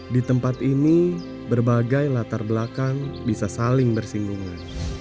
di tempat ini berbagai latar belakang bisa saling bersinggungan